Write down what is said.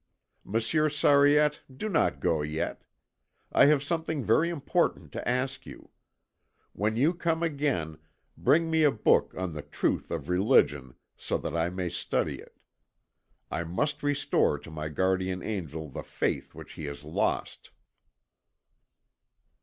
Monsieur Sariette, do not go yet. I have something very important to ask you. When you come again, bring me a book on the truth of religion, so that I may study it. I must restore to my guardian angel the faith which he has lost."